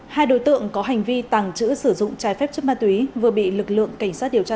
hai đối tượng có hành vi tàng trữ sử dụng trái phép chất ma túy vừa bị lực lượng cảnh sát điều tra